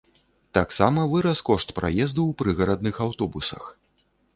Таксама вырас кошт праезду ў прыгарадных аўтобусах.